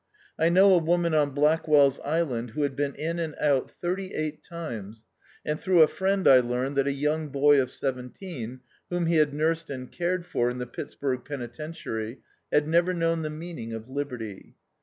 I know a woman on Blackwell's Island, who had been in and out thirty eight times; and through a friend I learn that a young boy of seventeen, whom he had nursed and cared for in the Pittsburg penitentiary, had never known the meaning of liberty.